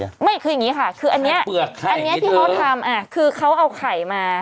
ไม่คืออย่างนี้ค่ะคืออันนี้ที่เขาทำคือเขาเอาไข่มา